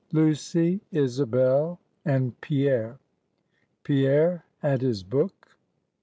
LUCY, ISABEL, AND PIERRE. PIERRE AT HIS BOOK.